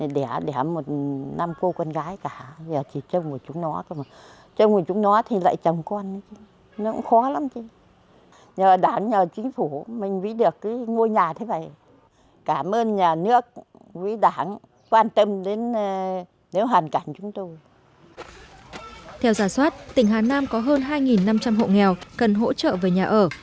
theo giả soát tỉnh hà nam có hơn hai năm trăm linh hộ nghèo cần hỗ trợ về nhà ở